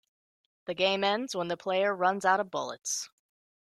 The game ends when the player runs out of bullets.